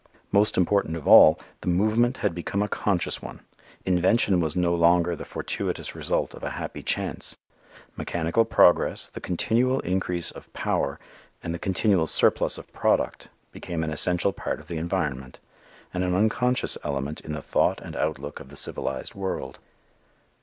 Most important of all, the movement had become a conscious one. Invention was no longer the fortuitous result of a happy chance. Mechanical progress, the continual increase of power and the continual surplus of product became an essential part of the environment, and an unconscious element in the thought and outlook of the civilized world.